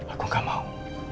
aku gak mau